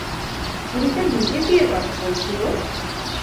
উনি তার নিজের বিয়ের কথা বলছিলো?